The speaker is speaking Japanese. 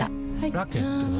ラケットは？